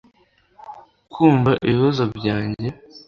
kumva ibibazo byanjye